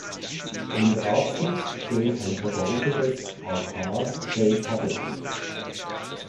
In der Apsis steht ein vergoldetes Altarretabel.